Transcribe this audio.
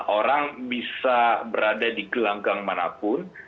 orang bisa berada di gelanggang manapun